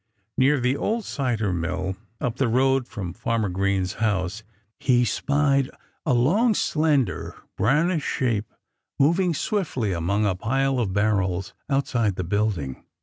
Near the old cider mill, up the road from Farmer Green's house, he spied a long, slender, brownish shape moving swiftly among a pile of barrels outside the building.